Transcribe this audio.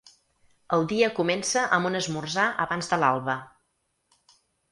El dia comença amb un esmorzar abans de l’alba.